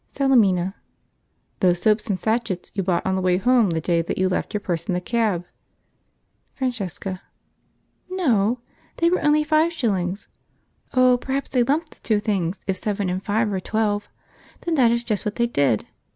Salemina. "Those soaps and sachets you bought on the way home the day that you left your purse in the cab?" Francesca. "No; they were only five shillings. Oh, perhaps they lumped the two things; if seven and five are twelve, then that is just what they did.